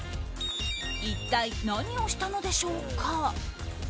一体、何をしたのでしょうか。